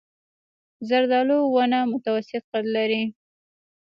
زردالو ونه متوسط قد لري.